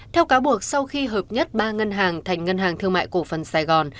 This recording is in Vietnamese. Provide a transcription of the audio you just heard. theo cáo buộc sau khi hợp nhất ba ngân hàng thành ngân hàng thương mại cổ phần sài gòn